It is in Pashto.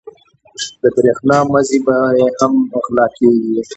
د برېښنا مزي یې هم غلا کېږي.